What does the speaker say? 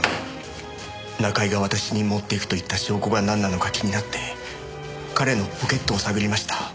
中居が私に持っていくと言った証拠がなんなのか気になって彼のポケットを探りました。